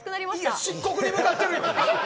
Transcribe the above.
いや漆黒に向かってる！